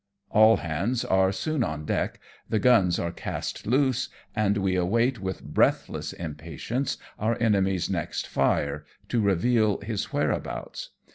All hands are soon on deck, the guns are cast loose, and we await with breathless impatience our enemy's next fire to reveal his where abouts.